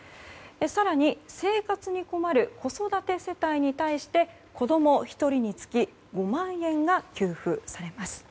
更に、生活に困る子育て世帯に対して子供１人につき５万円が給付されます。